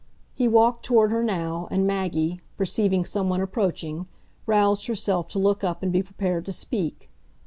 He walked toward her now, and Maggie, perceiving some one approaching, roused herself to look up and be prepared to speak.